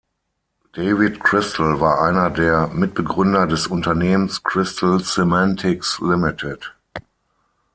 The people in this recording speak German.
David Crystal war einer der Mitbegründer des Unternehmens Crystal Semantics Limited.